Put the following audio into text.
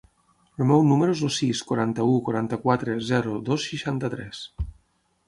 El meu número es el sis, quaranta-u, quaranta-quatre, zero, dos, seixanta-tres.